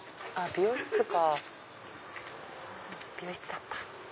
美容室だった。